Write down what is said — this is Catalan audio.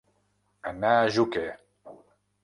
Anar a joquer.